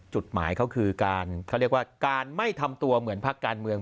จุดหมายเขาคือการไม่ทำตัวเหมือนพักการเมือง